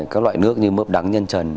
các loại nước như mướp đắng nhân trần